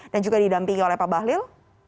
dan juga didampingi oleh pak bahlil